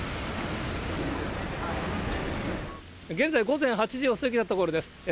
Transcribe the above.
現在、午前８時を過ぎたところです。